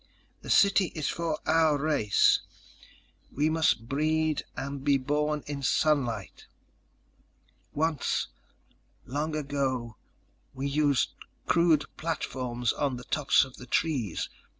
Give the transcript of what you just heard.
The city is for our race. We must breed and be born in sunlight. Once—long ago—we used crude platforms on the tops of the trees.